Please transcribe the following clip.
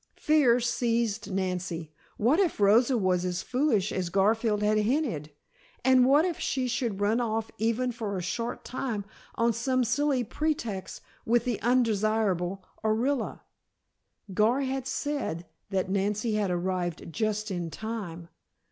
Fear seized Nancy! What if Rosa was as foolish as Garfield had hinted, and what if she should run off even for a short time on some silly pretext with the undesirable Orilla? Gar had said that Nancy had arrived "just in time."